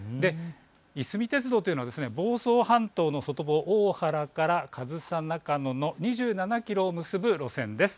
いすみ鉄道というのは房総半島の外房、大原から上総中野までの２７キロを結ぶ路線です。